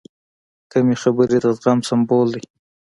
کمې خبرې، د زغم سمبول دی.